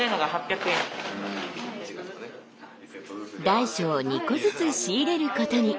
大小２個ずつ仕入れることに。